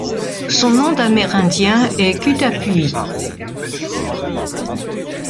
Son nom d'Amérindien est Cutapuis.